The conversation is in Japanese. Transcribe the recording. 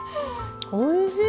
おいしい。